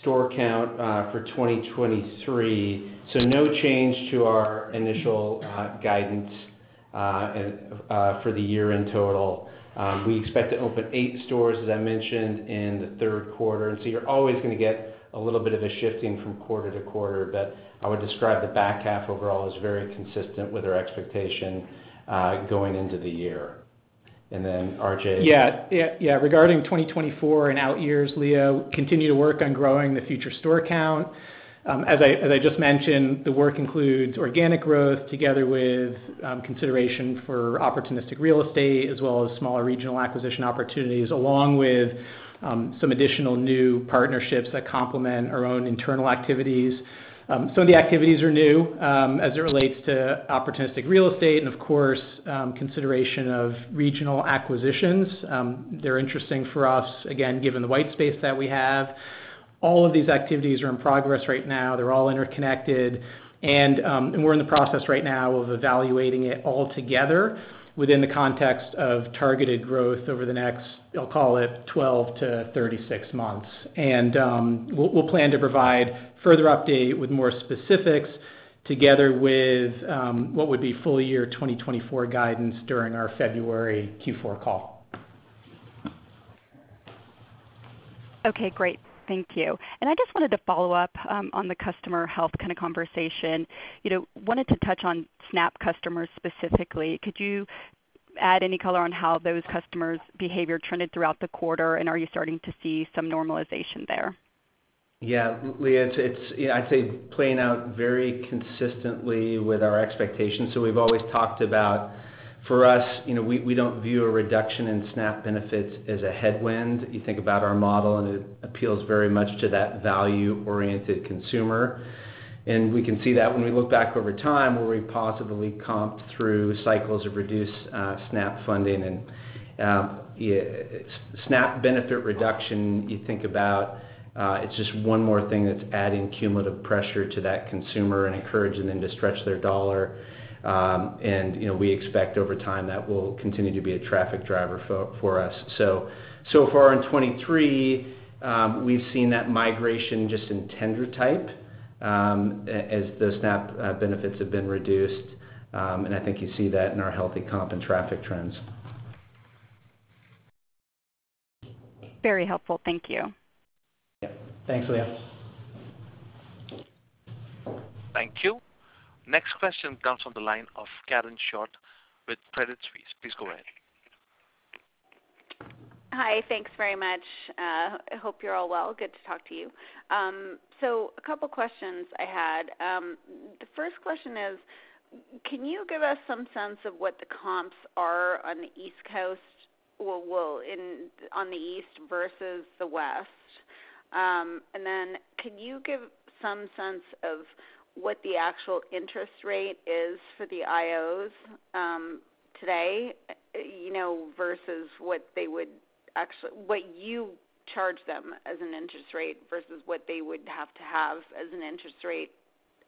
store count, for 2023. No change to our initial, guidance, and, for the year in total. We expect to open 8 stores, as I mentioned, in the Q3, and so you're always gonna get a little bit of a shifting from quarter to quarter. I would describe the back half overall as very consistent with our expectation, going into the year. Then RJ. Yeah. Yeah, regarding 2024 and out years, Leah, we continue to work on growing the future store count. As I, as I just mentioned, the work includes organic growth together with consideration for opportunistic real estate, as well as smaller regional acquisition opportunities, along with some additional new partnerships that complement our own internal activities. Some of the activities are new, as it relates to opportunistic real estate and, of course, consideration of regional acquisitions. They're interesting for us, again, given the white space that we have. All of these activities are in progress right now. They're all interconnected and we're in the process right now of evaluating it all together within the context of targeted growth over the next, I'll call it, 12 to 36 months. We'll, we'll plan to provide further update with more specifics together with what would be full year 2024 guidance during our February Q4 call. Okay, great. Thank you. I just wanted to follow up on the customer health kind of conversation. You know, wanted to touch on SNAP customers specifically. Could you add any color on how those customers' behavior trended throughout the quarter, and are you starting to see some normalization there? Yeah, Leah, it's, it's, I'd say, playing out very consistently with our expectations. We've always talked about, for us, you know, we, we don't view a reduction in SNAP benefits as a headwind. You think about our model, and it appeals very much to that value-oriented consumer. We can see that when we look back over time, where we positively comped through cycles of reduced, SNAP funding. Yeah, SNAP benefit reduction, you think about, it's just one more thing that's adding cumulative pressure to that consumer and encouraging them to stretch their dollar. You know, we expect over time that will continue to be a traffic driver for, for us. So far in 23, we've seen that migration just in tender type, as, as the SNAP benefits have been reduced, and I think you see that in our healthy comp and traffic trends. Very helpful. Thank you. Yeah. Thanks, Leah. Thank you. Next question comes from the line of Karen Short with Credit Suisse. Please go ahead Hi, thanks very much. I hope you're all well. Good to talk to you. A couple questions I had. The first question is, can you give us some sense of what the comps are on the East Coast, well, well, in on the East versus the West? Can you give some sense of what the actual interest rate is for the IOs, today, you know, versus what they would what you charge them as an interest rate versus what they would have to have as an interest rate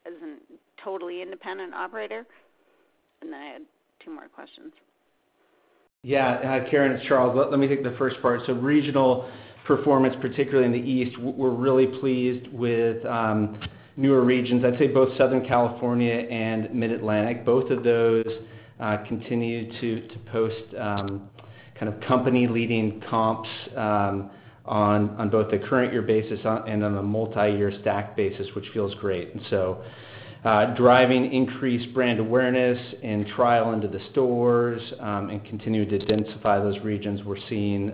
as a totally independent operator? I had two more questions. Yeah, Karen, it's Charles. Let, let me take the first part. Regional performance, particularly in the East, we're really pleased with newer regions. I'd say both Southern California and Mid-Atlantic. Both of those continued to post kind of company-leading comps on both the current year basis on and on a multi-year stack basis, which feels great. Driving increased brand awareness and trial into the stores and continue to densify those regions, we're seeing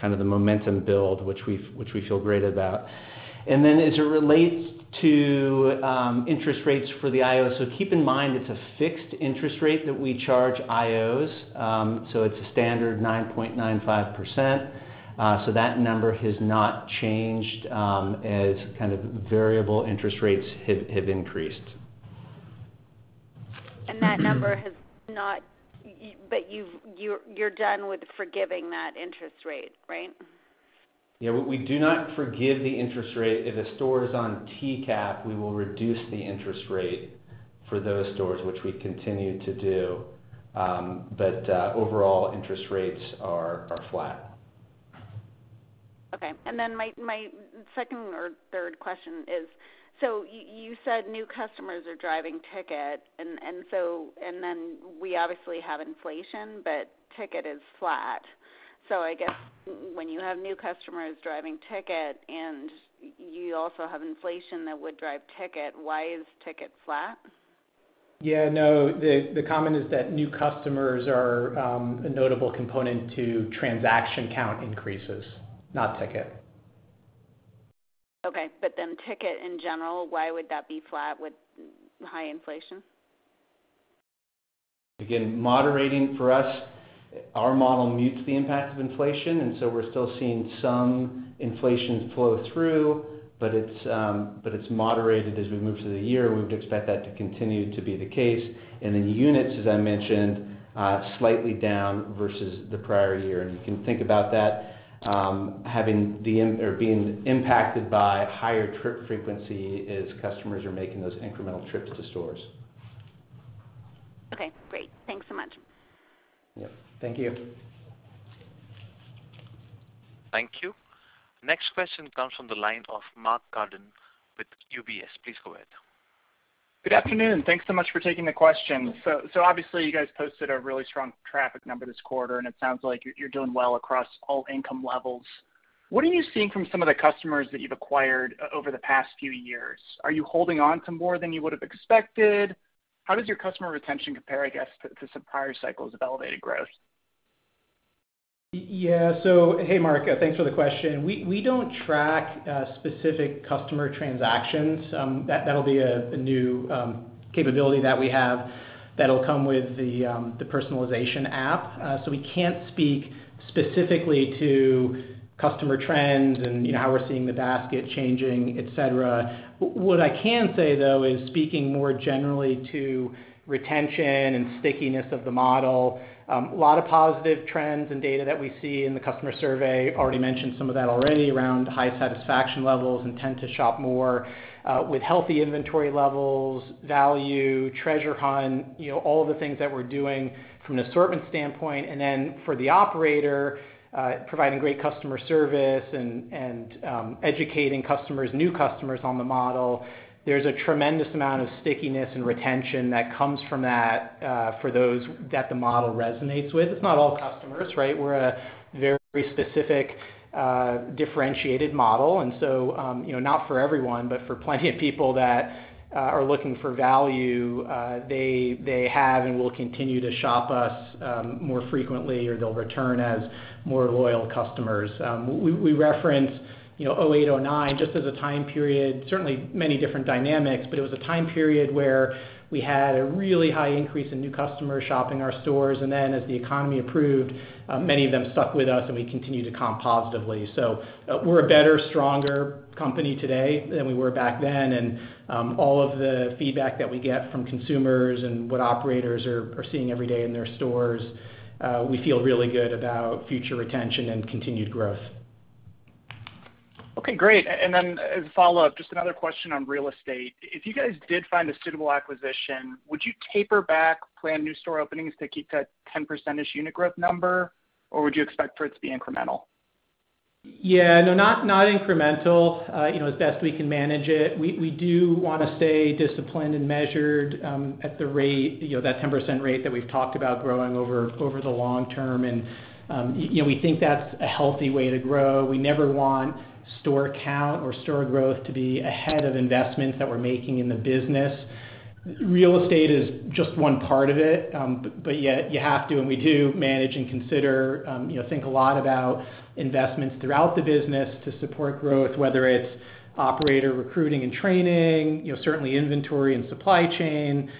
kind of the momentum build, which we, which we feel great about. As it relates to interest rates for the IOs, so keep in mind, it's a fixed interest rate that we charge IOs. It's a standard 9.95%. That number has not changed as kind of variable interest rates have, have increased. That number has not-- But you've-- you're done with forgiving that interest rate, right? Yeah, we do not forgive the interest rate. If a store is on TCAP, we will reduce the interest rate for those stores, which we continue to do. Overall, interest rates are, are flat. Okay. Then my, my second or third question is, you said new customers are driving ticket. Then we obviously have inflation, but ticket is flat. I guess when you have new customers driving ticket and you also have inflation that would drive ticket, why is ticket flat? Yeah, no, the, the comment is that new customers are a notable component to transaction count increases, not ticket. Okay, ticket in general, why would that be flat with high inflation? Moderating for us, our model mutes the impact of inflation, so we're still seeing some inflation flow through, but it's moderated as we move through the year. We would expect that to continue to be the case. Then units, as I mentioned, slightly down versus the prior year. You can think about that having the in or being impacted by higher trip frequency as customers are making those incremental trips to stores. Okay, great. Thanks so much. Yep. Thank you. Thank you. Next question comes from the line of Mark Carden with UBS. Please go ahead. Good afternoon. Thanks so much for taking the question. So obviously, you guys posted a really strong traffic number this quarter, and it sounds like you're, you're doing well across all income levels. What are you seeing from some of the customers that you've acquired over the past few years? Are you holding on to more than you would have expected? How does your customer retention compare, I guess, to some prior cycles of elevated growth? Yeah. Hey, Mark, thanks for the question. We, we don't track specific customer transactions. That, that'll be a new capability that we have that'll come with the personalization app. We can't speak specifically to customer trends and, you know, how we're seeing the basket changing, et cetera. What I can say, though, is speaking more generally to retention and stickiness of the model, a lot of positive trends and data that we see in the customer survey. Already mentioned some of that already around high satisfaction levels and tend to shop more with healthy inventory levels, value, treasure hunt, you know, all the things that we're doing from an assortment standpoint, and then for the operator, providing great customer service and, and educating customers, new customers on the model. There's a tremendous amount of stickiness and retention that comes from that, for those that the model resonates with. It's not all customers, right? We're a very specific, differentiated model, and so, you know, not for everyone, but for plenty of people that are looking for value, they, they have and will continue to shop us, more frequently or they'll return as more loyal customers. We, we reference, you know, 2008, 2009, just as a time period, certainly many different dynamics, but it was a time period where we had a really high increase in new customers shopping our stores, and then as the economy improved, many of them stuck with us and we continued to comp positively. We're a better, stronger company today than we were back then. All of the feedback that we get from consumers and what operators are, are seeing every day in their stores, we feel really good about future retention and continued growth. Okay, great. Then as a follow-up, just another question on real estate. If you guys did find a suitable acquisition, would you taper back planned new store openings to keep that 10% unit growth number, or would you expect for it to be incremental? Yeah, no, not, not incremental. You know, as best we can manage it, we, we do wanna stay disciplined and measured, at the rate, you know, that 10% rate that we've talked about growing over, over the long term. You know, we think that's a healthy way to grow. Store count or store growth to be ahead of investments that we're making in the business. Real estate is just one part of it, but yet you have to, and we do manage and consider, you know, think a lot about investments throughout the business to support growth, whether it's operator recruiting and training, you know, certainly inventory and supply chain,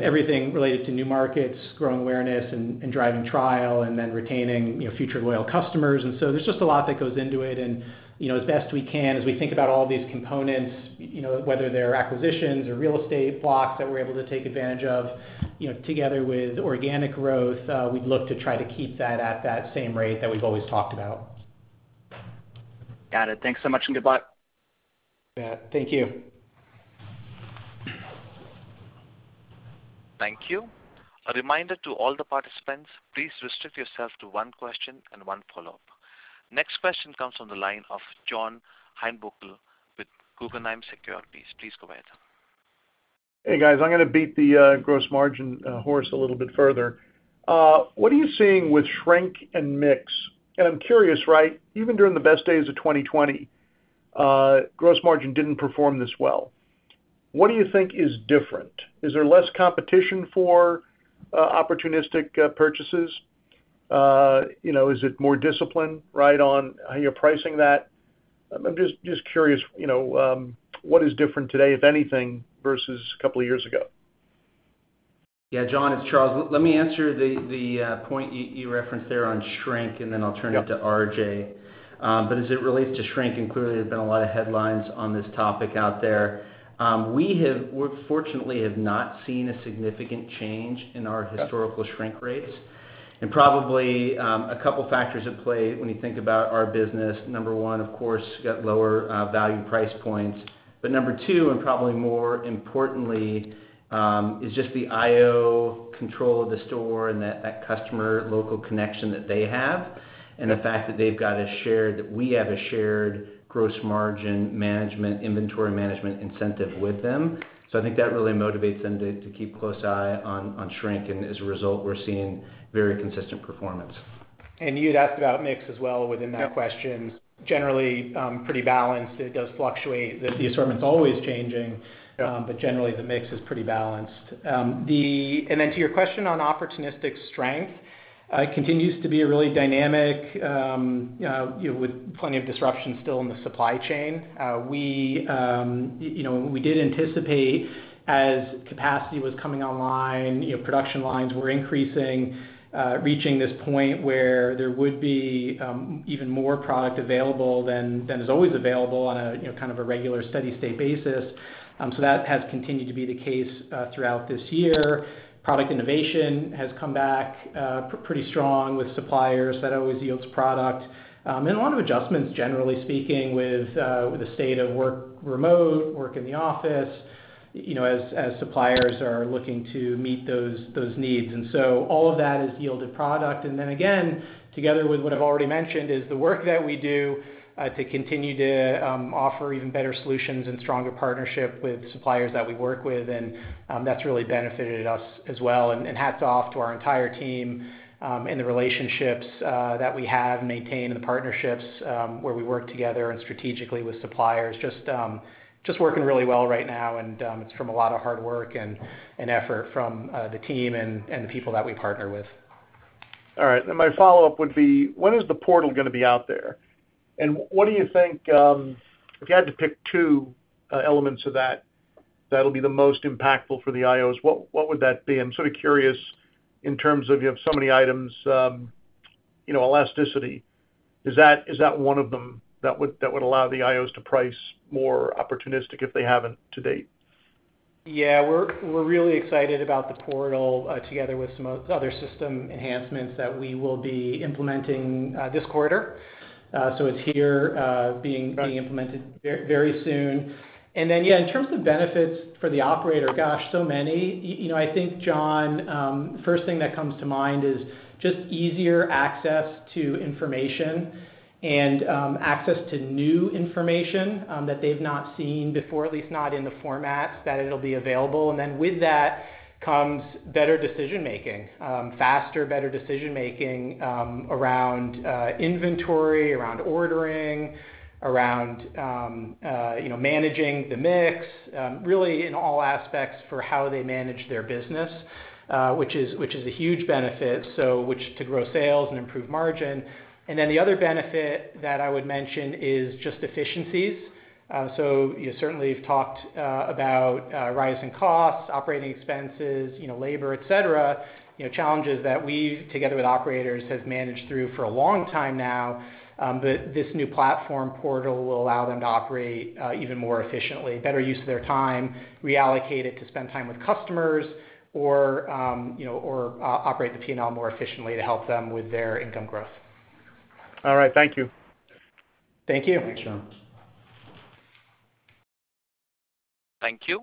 everything related to new markets, growing awareness and, and driving trial and then retaining, you know, future loyal customers. There's just a lot that goes into it. You know, as best we can, as we think about all these components, you know, whether they're acquisitions or real estate blocks that we're able to take advantage of, you know, together with organic growth, we'd look to try to keep that at that same rate that we've always talked about. Got it. Thanks so much, and goodbye. Yeah. Thank you. Thank you. A reminder to all the participants, please restrict yourself to one question and one follow-up. Next question comes from the line of John Heinbockel with Guggenheim Securities. Please go ahead. Hey, guys. I'm gonna beat the gross margin horse a little bit further. What are you seeing with shrink and mix? I'm curious, right? Even during the best days of 2020, gross margin didn't perform this well. What do you think is different? Is there less competition for opportunistic purchases? You know, is it more discipline, right, on how you're pricing that? I'm just, just curious, you know, what is different today, if anything, versus a couple of years ago? Yeah, John, it's Charles. let me answer the, the point you, you referenced there on shrink, and then I'll turn it to RJ. As it relates to shrink, and clearly, there's been a lot of headlines on this topic out there. we fortunately have not seen a significant change in our historical shrink rates. Probably, a couple factors at play when you think about our business. Number one, of course, we got lower, value price points. Number two, and probably more importantly, is just the IO control of the store and that, that customer local connection that they have, and the fact that we have a shared gross margin management, inventory management incentive with them. I think that really motivates them to, to keep a close eye on, on shrink, and as a result, we're seeing very consistent performance. You'd asked about mix as well within that question. Yeah. Generally, pretty balanced. It does fluctuate. The assortment's always changing. Yeah. Generally, the mix is pretty balanced. The-- and then to your question on opportunistic strength, it continues to be a really dynamic, you know, with plenty of disruption still in the supply chain. We, you know, we did anticipate as capacity was coming online, you know, production lines were increasing, reaching this point where there would be even more product available than, than is always available on a, you know, kind of a regular steady-state basis. That has continued to be the case throughout this year. Product innovation has come back pretty strong with suppliers. That always yields product. A lot of adjustments, generally speaking, with the state of work remote, work in the office, you know, as, as suppliers are looking to meet those, those needs. All of that has yielded product. Then again, together with what I've already mentioned, is the work that we do, to continue to offer even better solutions and stronger partnership with suppliers that we work with, and that's really benefited us as well. Hats off to our entire team, and the relationships that we have maintained and the partnerships where we work together and strategically with suppliers. Just working really well right now, and it's from a lot of hard work and effort from the team and the people that we partner with. All right. My follow-up would be: When is the store portal going to be out there? What do you think, if you had to pick two elements of that, that'll be the most impactful for the IOs, what would that be? I'm sort of curious in terms of you have so many items, you know, elasticity. Is that one of them that would allow the IOs to price more opportunistic if they haven't to date? Yeah, we're, we're really excited about the portal, together with some other system enhancements that we will be implementing, this quarter. It's here. Right... being implemented very soon. Yeah, in terms of benefits for the operator, gosh, so many. You know, I think, John, first thing that comes to mind is just easier access to information and access to new information that they've not seen before, at least not in the format that it'll be available. With that comes better decision making. Faster, better decision making around inventory, around ordering, around you know, managing the mix really in all aspects for how they manage their business, which is, which is a huge benefit, so which to grow sales and improve margin. The other benefit that I would mention is just efficiencies. You certainly have talked about rise in costs, operating expenses, you know, labor, et cetera, you know, challenges that we, together with operators, have managed through for a long time now. This new platform portal will allow them to operate even more efficiently, better use of their time, reallocate it to spend time with customers or, you know, or operate the P&L more efficiently to help them with their income growth. All right. Thank you. Thank you. Thanks, John. Thank you.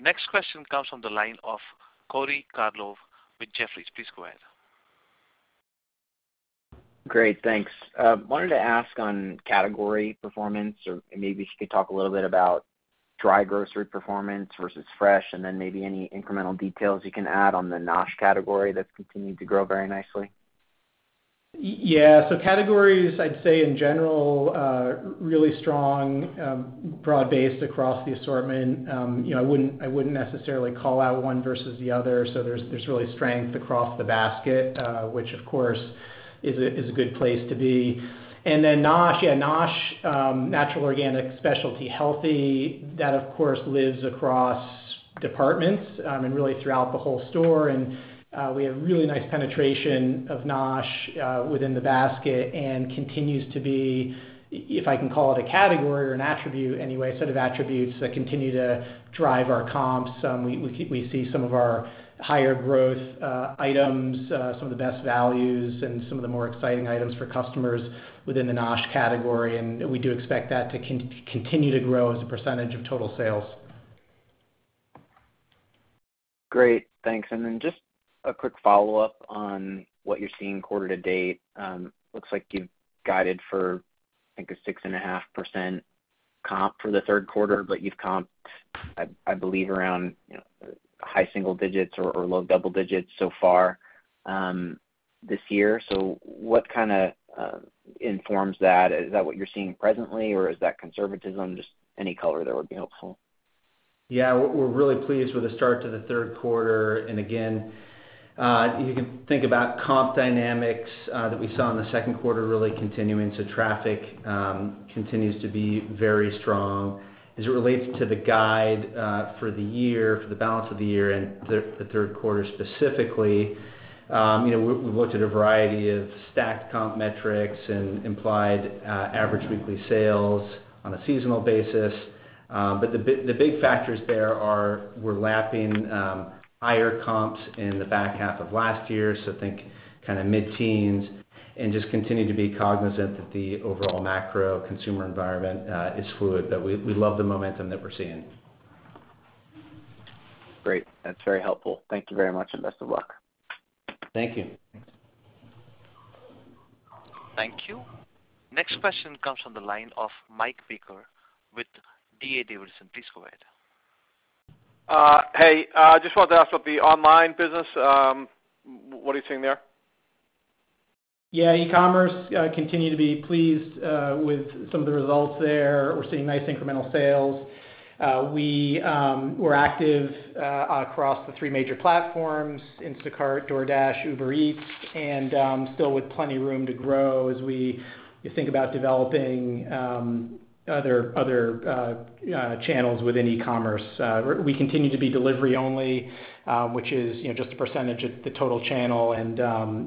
Next question comes from the line of Corey Tarlowe with Jefferies. Please go ahead. Great, thanks. Wanted to ask on category performance, or maybe if you could talk a little bit about dry grocery performance versus fresh, and then maybe any incremental details you can add on the NOSH category that's continued to grow very nicely? Yeah. Categories, I'd say in general, really strong, broad-based across the assortment. You know, I wouldn't, I wouldn't necessarily call out one versus the other. There's, there's really strength across the basket, which, of course, is a, is a good place to be. Nosh, yeah, Nosh, natural, organic, specialty, healthy, that, of course, lives across departments, and really throughout the whole store. We have really nice penetration of Nosh within the basket and continues to be, if I can call it a category or an attribute, anyway, set of attributes that continue to drive our comps. We, we, we see some of our higher growth items, some of the best values and some of the more exciting items for customers within the NOSH category, and we do expect that to continue to grow as a % of total sales. Great, thanks. Then just a quick follow-up on what you're seeing quarter to date. Looks like you've guided for, I think, a 6.5% comp for the Q3, but you've comped, I, I believe, around, you know, high single digits or, or low double digits so far, this year. What kinda informs that? Is that what you're seeing presently, or is that conservatism? Just any color there would be helpful. Yeah, we're, we're really pleased with the start to the Q3. Again, you can think about comp dynamics that we saw in the Q2 really continuing. Traffic continues to be very strong. As it relates to the guide for the year, for the balance of the year and the, the Q3 specifically, you know, we, we've looked at a variety of stacked comp metrics and implied average weekly sales on a seasonal basis. The big, the big factors there are, we're lapping higher comps in the back half of last year, so think kinda mid-teens, and just continue to be cognizant that the overall macro consumer environment is fluid, but we, we love the momentum that we're seeing. Great. That's very helpful. Thank you very much, and best of luck. Thank you. Thank you. Next question comes from the line of Mike Baker with D.A. Davidson. Please go ahead. Hey, I just wanted to ask about the online business. What are you seeing there? Yeah, e-commerce, continue to be pleased with some of the results there. We're seeing nice incremental sales. We, we're active across the three major platforms, Instacart, DoorDash, Uber Eats, and still with plenty room to grow as we think about developing other, other channels within e-commerce. We, we continue to be delivery only, which is, you know, just a percentage of the total channel, and,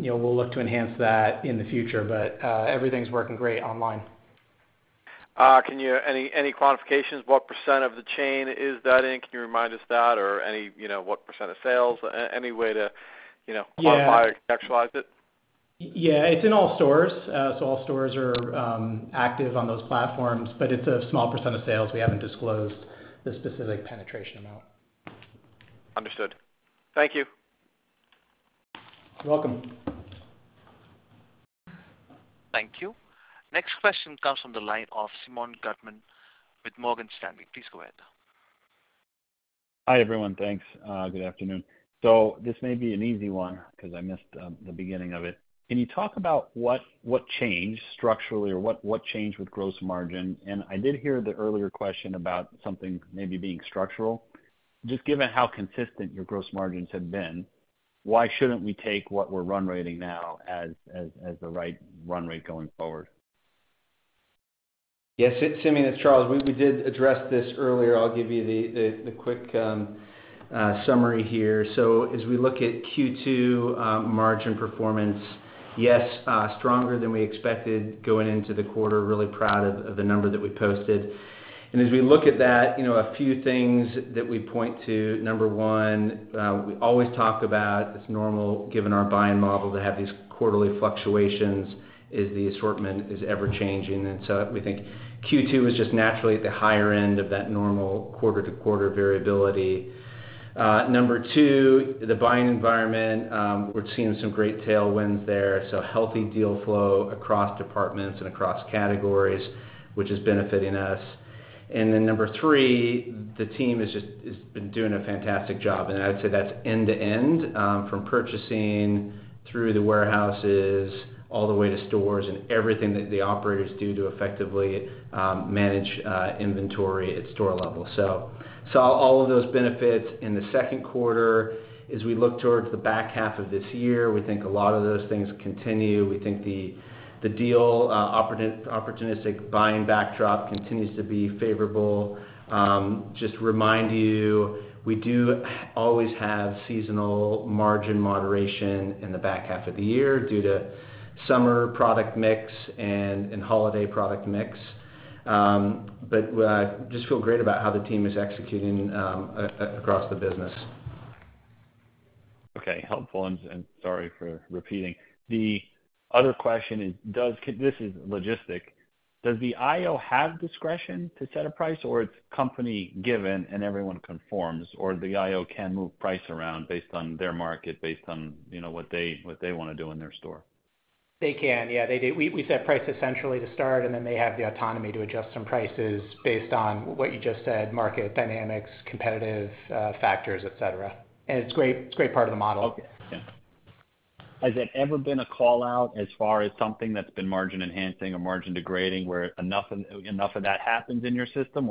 you know, we'll look to enhance that in the future. Everything's working great online. Any, any qualifications? What percent of the chain is that in? Can you remind us that, or any, you know, what percent of sales? Any way to, you know? Yeah. Quantify or contextualize it? Yeah, it's in all stores. All stores are active on those platforms, but it's a small % of sales. We haven't disclosed the specific penetration amount. Understood. Thank you. You're welcome. Thank you. Next question comes from the line of Simeon Gutman with Morgan Stanley. Please go ahead. Hi, everyone. Thanks. Good afternoon. This may be an easy one because I missed the beginning of it. Can you talk about what, what changed structurally or what, what changed with gross margin? I did hear the earlier question about something maybe being structural. Just given how consistent your gross margins have been, why shouldn't we take what we're run rating now as, as, as the right run rate going forward? Yes, Sim, it's Charles. We did address this earlier. I'll give you the, the, the quick summary here. As we look at Q2, margin performance, yes, stronger than we expected going into the quarter. Really proud of, of the number that we posted. As we look at that, you know, a few things that we point to, number one, we always talk about it's normal, given our buying model, to have these quarterly fluctuations, is the assortment is ever-changing. We think Q2 is just naturally at the higher end of that normal quarter-to-quarter variability. Number two, the buying environment, we're seeing some great tailwinds there, so healthy deal flow across departments and across categories, which is benefiting us. Number 3, the team has just been doing a fantastic job, and I'd say that's end-to-end, from purchasing through the warehouses, all the way to stores and everything that the operators do to effectively manage inventory at store level. Saw all of those benefits in the 2nd quarter. As we look towards the back half of this year, we think a lot of those things continue. We think the deal, opportunistic buying backdrop continues to be favorable. Just to remind you, we do always have seasonal margin moderation in the back half of the year due to summer product mix and holiday product mix. Just feel great about how the team is executing across the business. Okay, helpful, and sorry for repeating. The other question is. This is logistic. Does the IO have discretion to set a price, or it's company given and everyone conforms, or the IO can move price around based on their market, based on, you know, what they, what they want to do in their store? They can. Yeah, they do. We, we set prices centrally to start, and then they have the autonomy to adjust some prices based on what you just said, market dynamics, competitive factors, et cetera. It's a great, great part of the model. Okay. Yeah. Has it ever been a call-out as far as something that's been margin-enhancing or margin-degrading, where enough of that happens in your system?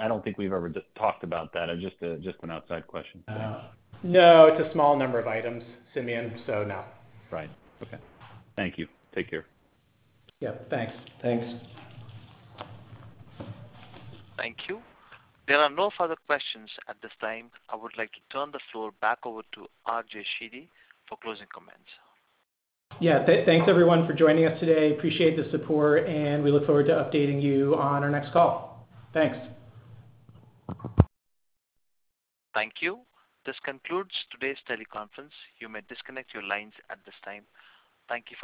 I don't think we've ever just talked about that. It's just a, just an outside question. No, it's a small number of items, Simeon, so no. Right. Okay. Thank you. Take care. Yeah, thanks. Thanks. Thank you. There are no further questions at this time. I would like to turn the floor back over to RJ Sheedy for closing comments. Yeah. Thanks everyone for joining us today. Appreciate the support. We look forward to updating you on our next call. Thanks. Thank you. This concludes today's teleconference. You may disconnect your lines at this time. Thank you.